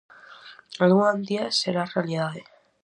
Algún día será realidade.